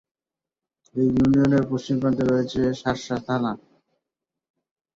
এ ইউনিয়নের পশ্চিম প্রান্তে রয়েছে শার্শা থানা।